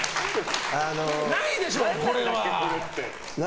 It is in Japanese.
ないでしょ、これは。